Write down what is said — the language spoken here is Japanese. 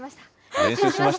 練習しました。